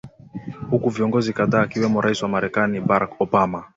huku viongozi kadhaa akiwemo rais wa marekani barack obama